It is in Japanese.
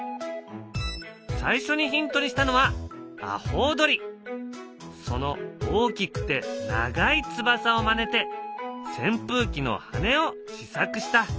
最初にヒントにしたのはその大きくて長い翼をまねてせん風機の羽根を試作した。